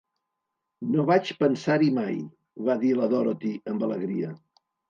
"No vaig pensar-hi mai!", va dir la Dorothy amb alegria.